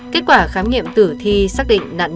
kết quả khám nghiệm tử thi xác định nạn nhân